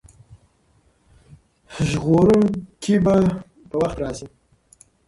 ژغورونکی به په وخت راشي.